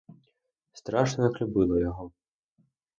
Страшно як любила його.